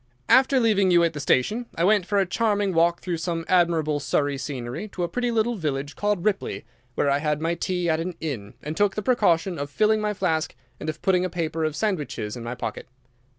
"After leaving you at the station I went for a charming walk through some admirable Surrey scenery to a pretty little village called Ripley, where I had my tea at an inn, and took the precaution of filling my flask and of putting a paper of sandwiches in my pocket.